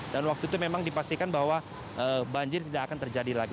dan waktu itu memang dipastikan bahwa banjir tidak akan terjadi lagi